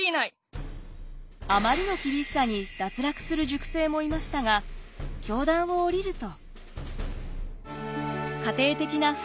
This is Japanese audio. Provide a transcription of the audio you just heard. あまりの厳しさに脱落する塾生もいましたが教壇を降りると。